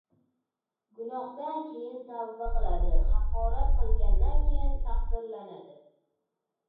gunohdan keyin tavba qiladi, haqorat qilgandan keyin taqdirlaydi.